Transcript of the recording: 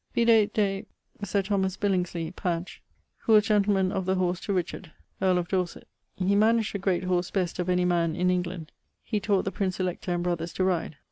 Vide de Sir Thomas Billingsley, pag. <44b>; who was gentleman of the horse to Richard, earl of Dorset. He managed the great horse best of any man in England. He taught the Prince Elector and brothers to ride.